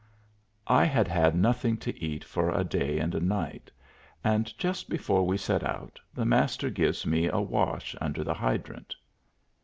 I had had nothing to eat for a day and a night, and just before we set out the Master gives me a wash under the hydrant.